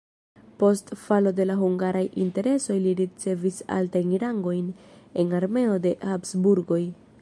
Post falo de la hungaraj interesoj li ricevis altajn rangojn en armeo de Habsburgoj.